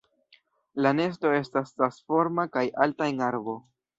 La nesto estas tasforma kaj alta en arbo.